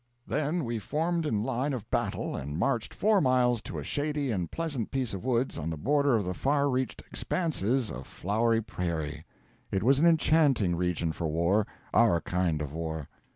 Then we formed in line of battle and marched four miles to a shady and pleasant piece of woods on the border of the far reached expanses of a flowery prairie. It was an enchanting region for war our kind of war.